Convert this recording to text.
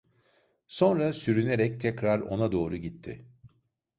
Sonra sürünerek tekrar ona doğru gitti.